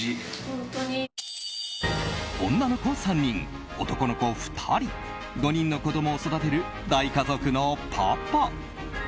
女の子３人、男の子２人５人の子供を育てる大家族のパパ。